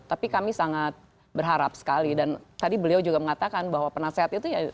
tapi kami sangat berharap sekali dan tadi beliau juga mengatakan bahwa penasehat itu ya